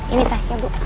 ini tasnya bu